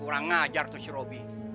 kurang ngajar tuh si roby